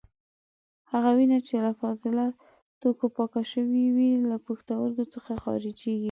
هغه وینه چې له فاضله توکو پاکه شوې وي له پښتورګو څخه خارجېږي.